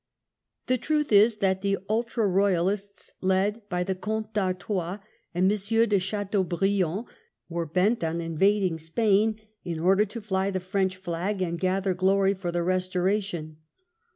The truth is that the "Ultra Eoyalists," led by the Comte d'Artois and M. de Chateau briand, were bent on invading Spain in order to fly the French flag and gather glory for the Eestoration.